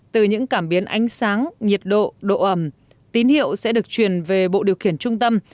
từ những cảm biến ánh sáng nhiệt độ độ ẩm tín hiệu sẽ được truyền về bộ điều khiển trung tâm